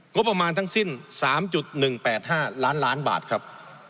งบประมาณทั้งสิ้น๓๑๘๕ล้านล้านบาทครับ